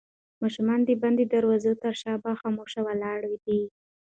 ماشوم د بندې دروازې تر شا په خاموشۍ ولاړ دی.